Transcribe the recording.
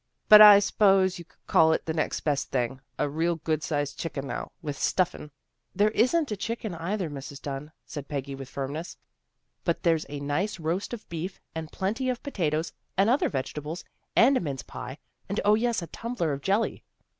" But I s'pose you could call it the next best thing. A real good sized chicken now, with stuffin' " There isn't a chicken either, Mrs. Dunn," said Peggy with firmness. " But there's a nice roast of beef, and plenty of potatoes, and other vegetables, and a mince pie, and, 0, yes, a tumbler of jelly."